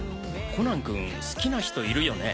コナン君好きな人いるよね？